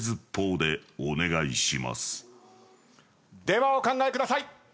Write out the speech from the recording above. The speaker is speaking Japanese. ではお考えください。